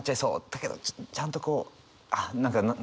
だけどちゃんとこう何ですかね？